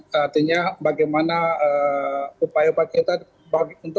dan artinya bagaimana upaya kita untuk mengurangi kecelakaan di perintah